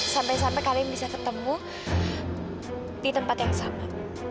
sampai sampai kalian bisa ketemu di tempat yang sama